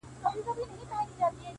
سیاه پوسي ده، ژوند تفسیرېږي.